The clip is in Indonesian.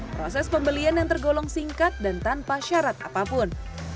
proses pembelian yang tergolong singkat dan tanpa syarat apapun